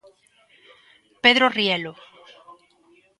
Pedro Rielo.